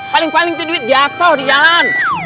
paling paling itu duit jatuh di jalan